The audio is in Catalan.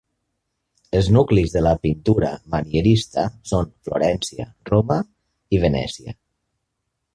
Els nuclis de la pintura manierista són Florència, Roma i Venècia.